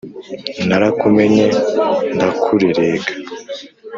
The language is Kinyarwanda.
narakumenye ndakurerega